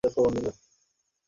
এই মহল, কেমনে বাদ পইরা গেলো।